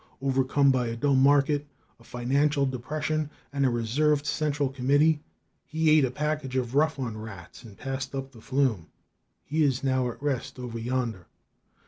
Overcome by a dull market, a financial depression and a reserved central committee, he ate a package of Rough on Rats, and passed up the flume. He is now at rest over yonder.